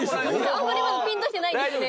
あんまりまだピンときてないですね。